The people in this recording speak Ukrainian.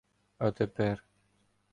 А тепер.